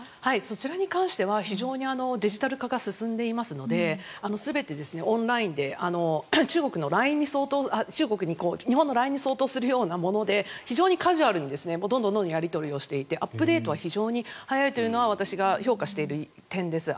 そちらに関しては非常にデジタル化が進んでいますので全てオンラインで日本のＬＩＮＥに相当するようなもので非常にカジュアルにどんどんやり取りをしていてアップデートは非常に速いというのは私が評価している点です。